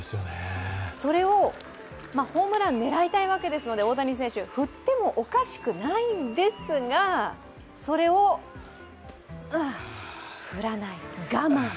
それをホームラン狙いたいわけですので、大谷選手、振ってもおかしくないんですが、それを振らない、我慢。